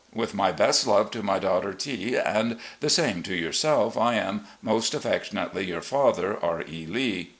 With my best love to my daughter T and the same to yourself, I am, "Most affectionately your father, "R. E. Lee."